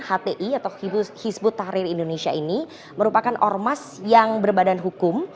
hti atau hizbut tahrir indonesia ini merupakan ormas yang berbadan hukum